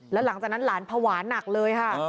แล้วหลังจากนั้นหลานภาวะหนักเลยค่ะ